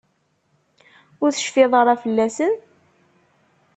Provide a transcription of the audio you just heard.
Ur tecfiḍ ara fell-asen?